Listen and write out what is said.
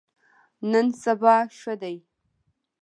نن سبا ښه دي.